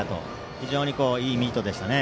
非常にいいミートでしたね。